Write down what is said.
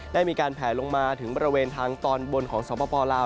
ได้มีการแผลลงมาถึงบริเวณทางตอนบนของสปลาว